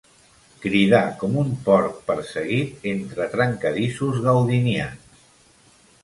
Cridar com un porc perseguit entre trencadissos gaudinians.